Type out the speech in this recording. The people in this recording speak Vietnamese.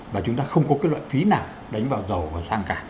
và chúng ta không có cái loại phí nào đánh vào dầu và sang cả